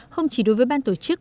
không chỉ đối với ban tổ chức